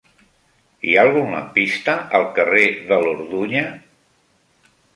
Hi ha algun lampista al carrer de l'Orduña?